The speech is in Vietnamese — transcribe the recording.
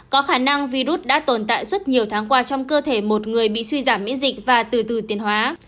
có khả năng virus đã tồn tại suốt nhiều tháng qua trong cơ thể một người bị suy giảm miễn dịch và từ từ tiền hóa